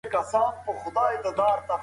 شاعر د خوندور متن جوړولو هڅه کوي.